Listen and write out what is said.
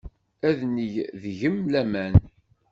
Ad neg deg-m laman.